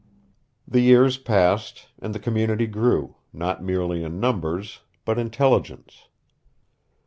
The years passed and the community grew, not merely in numbers, but intelligence.